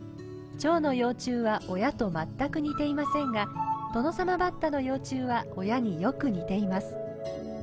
チョウの幼虫は親と全く似ていませんがトノサマバッタの幼虫は親によく似ています。